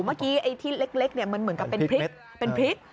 เมื่อกี้ที่เล็กมันเหมือนกับเป็นพริก